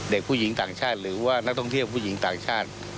เด็กผู้หญิงต่างชาติหรือว่านักท่องเที่ยวผู้หญิงต่างชาติ